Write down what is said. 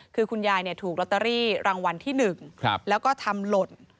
คือคุณยายถูกลอตเตอรี่รางวัลที่๑แล้วก็ทำหล่น